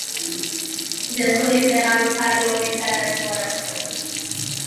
د سولې پیغام هر لوري ته ورسوئ.